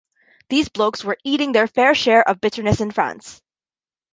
These blokes were eating their fair share of bitterness in France.